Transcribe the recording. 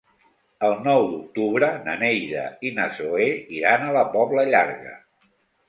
El nou d'octubre na Neida i na Zoè iran a la Pobla Llarga.